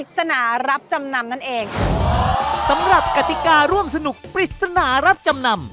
สำหรับกติการ่วมสนุกปริศนารับจำนำ